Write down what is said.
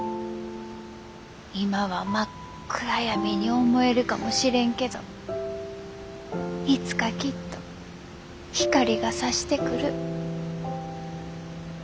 今は真っ暗闇に思えるかもしれんけどいつかきっと光がさしてくる。